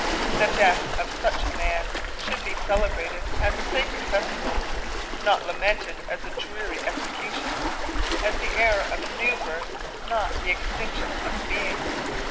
The death of such a man should be celebrated as a sacred festival, not lamented as a dreary execution, as the era of a new birth, not the extinction of being.